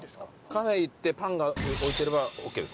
カフェ行ってパンが置いてればオーケーですか？